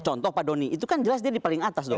contoh pak doni itu kan jelas dia di paling atas dong